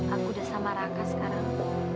aku udah sama rangka sekarang